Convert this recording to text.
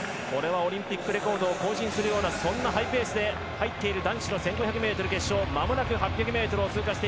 オリンピックレコードを更新するようなそんなハイペースで入っている男子の１５００ｍ決勝まもなく８００ｍを通過。